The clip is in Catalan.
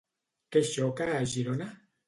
Què xoca a Girona?